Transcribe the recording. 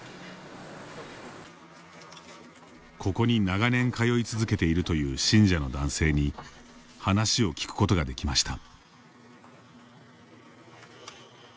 ここに長年通い続けているという信者の男性に話を聞くことができました。